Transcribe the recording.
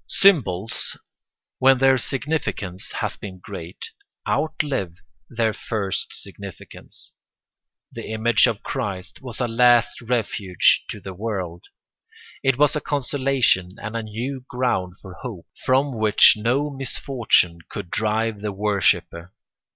] Symbols, when their significance has been great, outlive their first significance. The image of Christ was a last refuge to the world; it was a consolation and a new ground for hope, from which no misfortune could drive the worshipper.